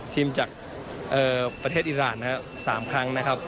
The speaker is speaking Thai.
ทีมจากประเทศอิราณนะครับ๓ครั้งนะครับ